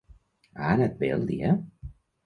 Ha anat bé el dia?